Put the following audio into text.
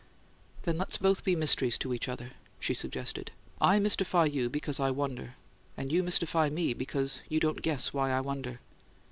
"Then let's both be mysteries to each other," she suggested. "I mystify you because I wonder, and you mystify me because you don't guess why I wonder.